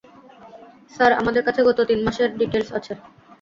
Sir, আমাদের কাছে গত তিন মাসের ডিটেইলস আছে।